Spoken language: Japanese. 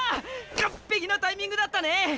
完璧なタイミングだったね！